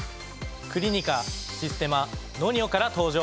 クリニカシステマＮＯＮＩＯから登場！